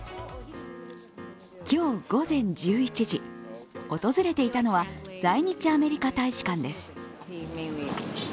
今日午前１１時、訪れていたのは在日アメリカ大使館です。